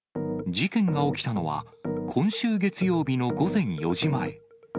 事件が起きたのは、今週月曜日の午前４時前。